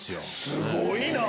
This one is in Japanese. すごいなぁ。